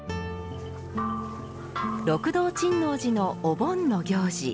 六道珍皇寺のお盆の行事